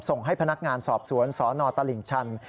ส่งให้พนักงานสอบสวนสนตลิ่งชัน